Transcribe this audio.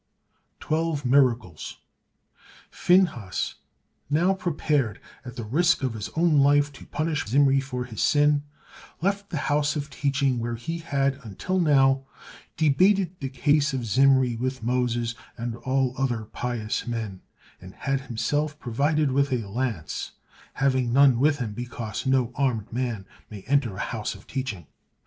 TWELVE MIRACLES Phinehas now, prepared at the risk of his own life to punish Zimri for his sin, left the house of teaching where he had until now debated the case of Zimri with Moses and all other pious men, and had himself provided with a lance, having none with him because no armed man may enter a house of teaching.